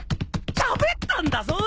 しゃべったんだぞ。